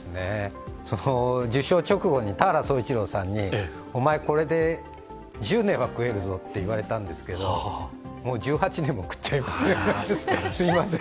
受賞直後に、田原総一朗さんにお前、これで１０年は食えるぞっと言われたんですけど、もう１８年も食っちゃいました、すいません。